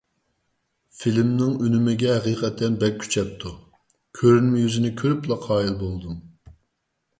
فىلىمنىڭ ئۈنۈمىگە ھەقىقەتەن بەك كۈچەپتۇ، كۆرۈنمە يۈزىنى كۆرۈپلا قايىل بولدۇم.